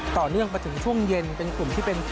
ต่อเนื่องมาถึงช่วงเย็นเป็นกลุ่มที่เป็น